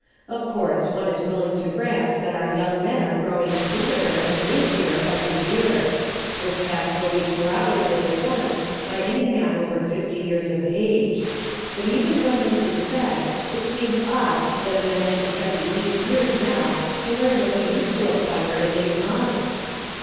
Of course, one is willing to grant that our young men are growing stupider and lazier every year. This fact will be corroborated at once by any man over fifty years of age. But even when this is said it seems odd that a man should study eight years now to learn what he used to acquire in eight months.